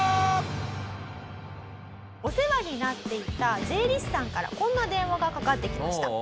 お世話になっていた税理士さんからこんな電話がかかってきました。